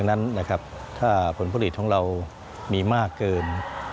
นั้นนะครับถ้าผลผลิตของเรามีมากเกิน